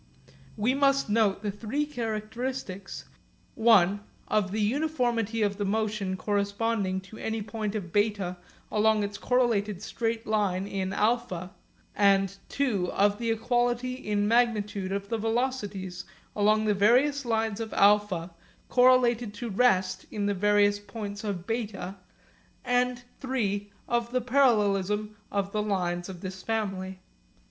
We must note the three characteristics, (i) of the uniformity of the motion corresponding to any point of β along its correlated straight line in α, and (ii) of the equality in magnitude of the velocities along the various lines of α correlated to rest in the various points of β, and (iii) of the parallelism of the lines of this family.